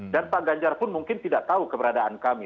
dan pak ganjar pun mungkin tidak tahu keberadaan kami